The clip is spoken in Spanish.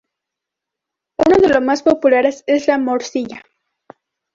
Unos de los más populares es la morcilla.